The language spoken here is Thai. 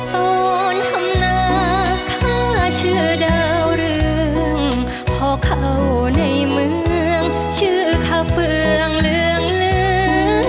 ตอนทำนาฆ่าชื่อดาวเรืองพอเข้าในเมืองชื่อคาเฟืองเหลืองลือ